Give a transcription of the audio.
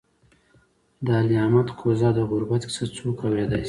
د علي احمد کهزاد د غربت کیسه څوک اورېدای شي.